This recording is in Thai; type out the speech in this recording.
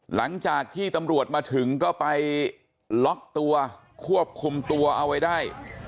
หลังจากที่ตำรวจมาถึงก็ไปล็อกตัวควบคุมตัวเอาไว้ได้